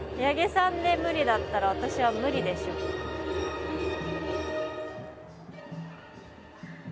八木さんで無理だったら私は無理でしょう。